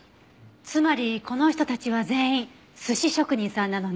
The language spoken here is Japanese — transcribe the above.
つまりこの人たちは全員寿司職人さんなのね。